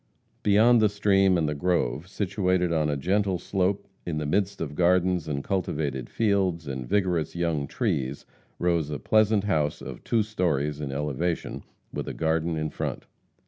Beyond the stream and the grove, situated on a gentle slope in the midst of gardens and cultivated fields, and vigorous young trees, rose a pleasant house of two stories in elevation, with a garden in front.